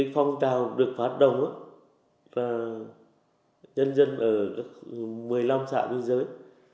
phong trào được phát động nhân dân ở một mươi năm xã biên giới